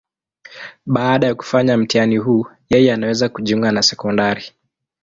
Baada ya kufanya mtihani huu, yeye anaweza kujiunga na sekondari.